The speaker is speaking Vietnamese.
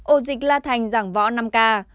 ổ dịch la thành giảng võ năm ca